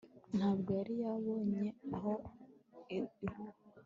ntabwo yari yabonye aho ihuha